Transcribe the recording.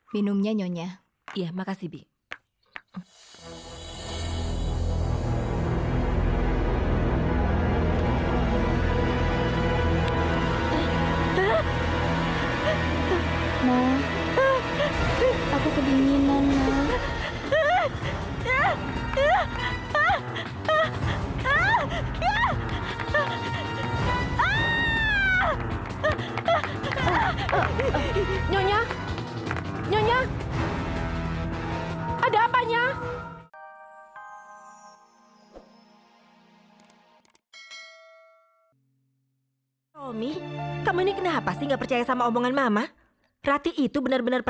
sampai jumpa di video selanjutnya